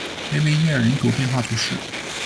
维维耶尔人口变化图示